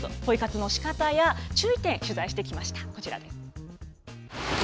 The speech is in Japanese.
上手なポイント、ポイ活のしかたや注意点、取材してきました。